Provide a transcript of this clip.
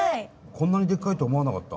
こんなにでっかいと思わなかった。